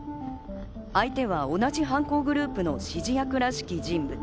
相手は同じ犯行グループの指示役らしき人物。